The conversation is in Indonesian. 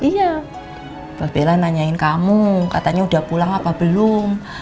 iya mbak bella nanyain kamu katanya udah pulang apa belum